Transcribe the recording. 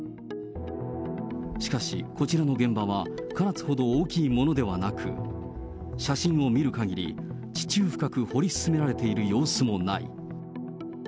しかし、こちらの現場は、唐津ほど大きいものではなく、写真を見るかぎり、地中深く掘り進められている様子もない。